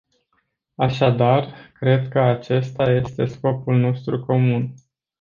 Așadar, cred că acesta este scopul nostru comun.